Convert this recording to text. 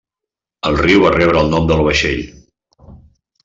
El riu va rebre el nom del vaixell.